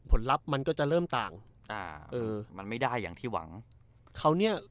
ลับมันก็จะเริ่มต่างอ่าเออมันไม่ได้อย่างที่หวังเขาเนี้ย